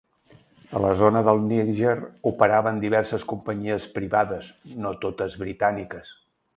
A la zona del Níger operaven diverses companyies privades, no totes britàniques.